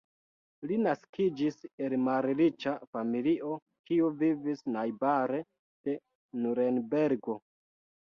Li naskiĝis el malriĉa familio kiu vivis najbare de Nurenbergo.